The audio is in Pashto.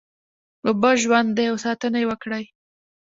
اوبه ژوند دی او ساتنه یې وکړی